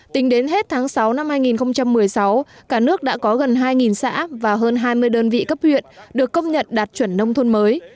tính đến hết tháng sáu năm hai nghìn một mươi sáu cả nước đã có gần hai xã và hơn hai mươi đơn vị cấp huyện được công nhận đạt chuẩn nông thôn mới